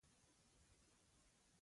د نورو عيبونه ولټوي او افشا کړي.